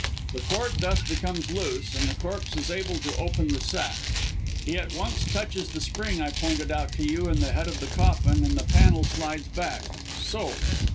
The cord thus becomes loose and 'the corpse' is able to open the sack. He at once touches the spring I pointed out to you in the head of the coffin, and the panel slides back So!"